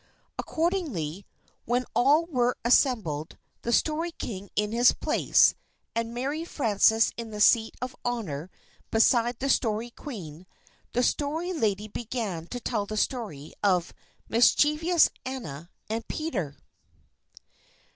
Accordingly, when all were assembled, the Story King in his place, and Mary Frances in the seat of honor beside the Story Queen, the Story Lady began to tell the story of Mischievous Anna and Peter.